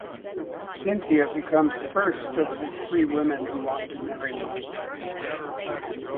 Cynthia becomes first of the three women who want to marry Mike.